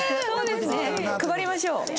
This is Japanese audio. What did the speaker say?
そうですね配りましょう。